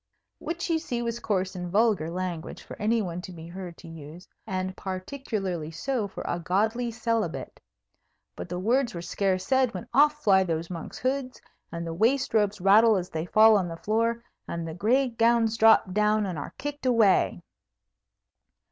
Which you see was coarse and vulgar language for any one to be heard to use, and particularly so for a godly celibate. But the words were scarce said, when off fly those monks' hoods, and the waist ropes rattle as they fall on the floor, and the gray gowns drop down and are kicked away.